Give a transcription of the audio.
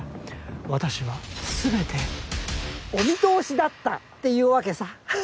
私はすべてお見通しだったっていうわけさ。